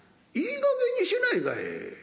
いいかげんにしないかい。